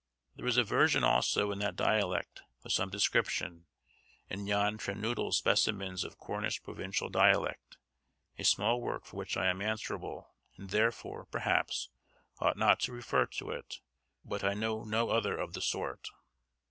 There is a version also in that dialect with some description, in Jan Trenoodle's 'Specimens of Cornish Provincial Dialect,' a small work for which I am answerable, and therefore, perhaps, ought not to refer to it, but I know no other of the sort.